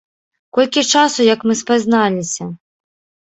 Колькі часу, як мы спазналіся?